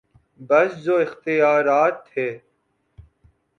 بس جو اختیارات تھے۔